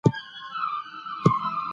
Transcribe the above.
حساب کتاب مې له پخوا کړی دی.